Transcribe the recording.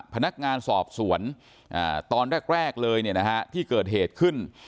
พนักงานสอบสวนตอนแรกเลยที่เกิดเหตุขึ้น